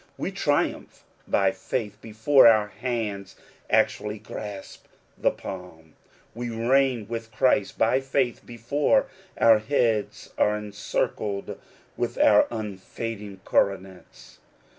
We triumph by faith before our hands actually grasp the palm. We reign with Christ by faith before our heads are encircled with our unfading coronets.